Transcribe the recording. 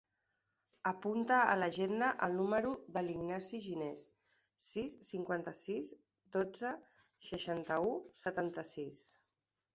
Apunta a l'agenda el número de l'Ignasi Gines: sis, cinquanta-sis, dotze, seixanta-u, setanta-sis.